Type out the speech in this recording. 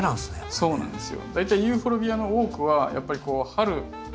そうなんですよ。